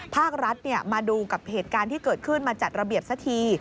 ภาครัฐมาดูกับเหตุการณ์ที่เกิดขึ้นมาจัดระเบียบสักที